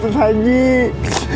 bapak sudah sedih